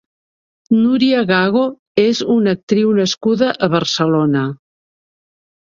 Núria Gago és una actriu nascuda a Barcelona.